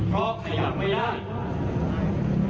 ก็เขยับไม่ได้